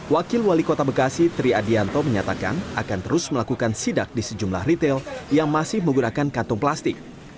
wakil wali kota bekasi tri adianto menyatakan akan terus melakukan sidak di sejumlah retail yang masih menggunakan kantong plastik